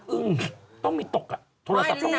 ต้องมีตกอ่ะโทรศัพท์ต้องมี